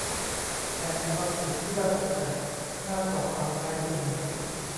แต่มีบางสิ่งที่น่าตกใจมากกว่าความคล้ายคลึงนี้